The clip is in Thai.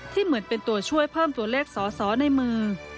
เหมือนเป็นตัวช่วยเพิ่มตัวเลขสอสอในมือ